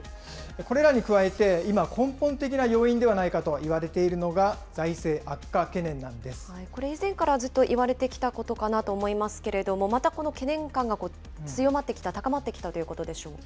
これらに加えて、今、根本的な要因ではないかといわれているのがこれ、以前からずっといわれてきたことかなと思いますけれども、またこの懸念感が強まってきた、高まってきたということでしょうか。